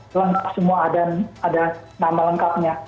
lengkap semua ada nama lengkapnya